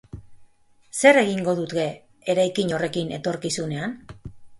Zer egingo dute eraikin horrekin etorkizunean?